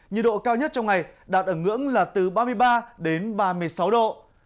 nhiệt độ cao nhất trong ngày đạt ở ngưỡng là từ ba mươi ba đến ba mươi sáu độ